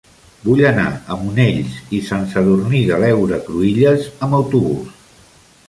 Vull anar a Monells i Sant Sadurní de l'Heura Cruïlles amb autobús.